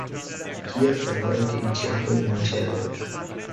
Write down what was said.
Hier verlor er gegen Thiago Monteiro.